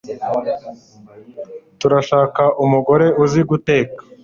Turashaka umugore uzi guteka.